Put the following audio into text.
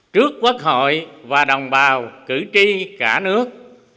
trước quốc hội và đồng bào cử tri cả nước